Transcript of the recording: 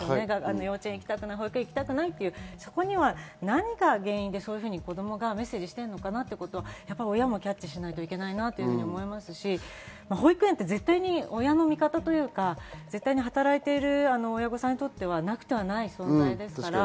幼稚園行きたくない、保育園行きたくないって、そこには何か原因が子供がメッセージを出しているのかなというのを親もキャッチしないといけないと思いますし、保育園って絶対に親の味方というか、働いてる親御さんにとってはなくてはならない存在ですから。